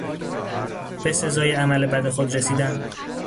به سزای عمل بد خود رسیدن